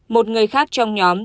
một người khác trong nhóm